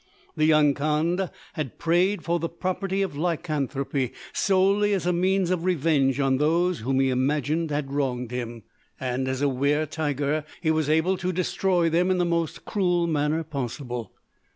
The young Kandh had prayed for the property of lycanthropy solely as a means of revenge on those whom he imagined had wronged him; and as a wer tiger he was able to destroy them in the most cruel manner possible.